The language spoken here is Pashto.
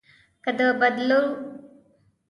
که د بدلو وي.